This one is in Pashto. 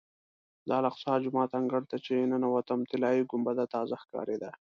د الاقصی جومات انګړ ته چې ننوتم طلایي ګنبده تازه ښکارېده.